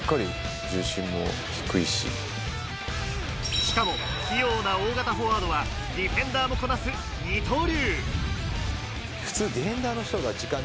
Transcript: しかも、器用な大型フォワードはディフェンダーもこなす二刀流。